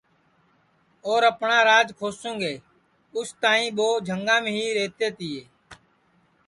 اور اپٹؔا راج کھوسُونگے اُس تائی ٻو جھنگام ہی رہتے تیے